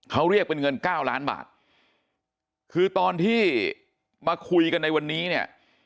เขาเรียกเป็นเงินเก้าล้านบาทคือตอนที่มาคุยกันในวันนี้เนี่ย